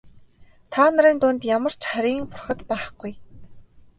Та нарын дунд ямар ч харийн бурхад байхгүй.